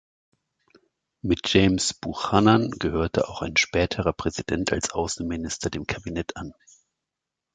Mit James Buchanan gehörte auch ein späterer Präsident als Außenminister dem Kabinett an.